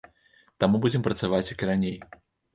Таму будзем працаваць, як і раней.